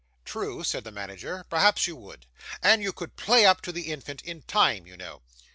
'True,' said the manager. 'Perhaps you would. And you could play up to the infant, in time, you know.